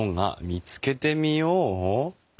見つけてみよう！」？